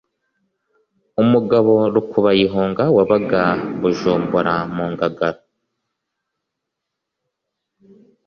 umugabo rukubayihunga wabaga i bujumbura mu ngagara